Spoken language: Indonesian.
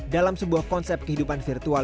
dalam sebuah konsep kehidupan virtual